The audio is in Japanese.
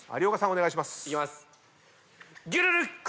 お願いします。